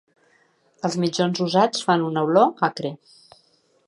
Els mitjons usats fan una olor acre.